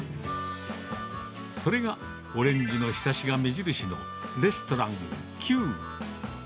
それがオレンジのひさしが目印のレストランＱ。